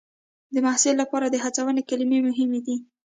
د محصل لپاره د هڅونې کلمې مهمې دي.